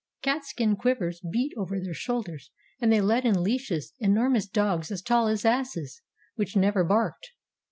Cat skin quivers beat over their shoulders, and they led in leashes enormous dogs as tall as asses, which never barked.